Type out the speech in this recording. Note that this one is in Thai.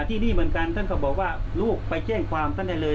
ที่นี่เหมือนกันท่านก็บอกว่าลูกไปแจ้งความท่านได้เลย